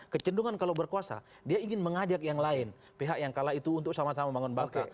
kecendungan kalau berkuasa dia ingin mengajak yang lain pihak yang kalah itu untuk sama sama membangun bangsa